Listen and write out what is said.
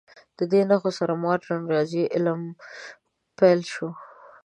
د دې نښو سره مډرن ریاضي علم پیل شو.